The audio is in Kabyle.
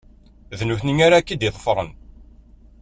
D nutenti ara ak-id-ṭṭafern.